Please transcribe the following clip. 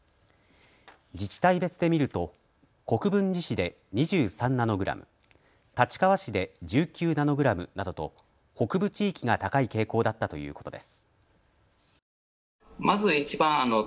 自治体別で診ると国分寺市で２３ナノグラム、立川市で１９ナノグラムなどと北部地域が高い傾向だったということです。